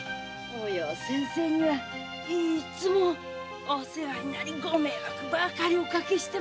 お葉先生にはいつもお世話になりご迷惑ばかりかけて。